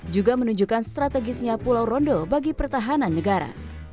juga menunjukkan strategisnya pulau rondo bagi pertahanan negara